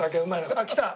あっ来た。